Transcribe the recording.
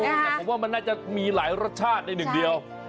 แต่ผมว่ามันน่าจะมีหลายรสชาติในหนึ่งเดียว